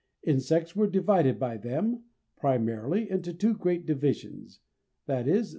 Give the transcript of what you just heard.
Insects were divided by them, primarily, into two great divisions, viz.